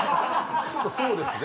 ちょっとそうですね。